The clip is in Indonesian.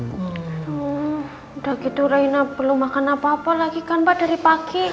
hmm udah gitu rena belum makan apa apa lagi kan pak dari pagi